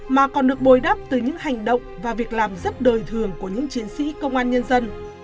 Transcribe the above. mà còn được bồi đắp từ những hành động và việc làm rất đời thường của những chiến sĩ công an nhân dân